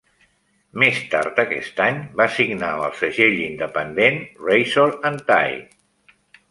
Més tard aquest any, va signar amb el segell independent Razor and Tie.